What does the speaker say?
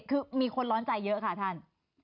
คือมีคนร้อนใจเยอะค่ะท่าน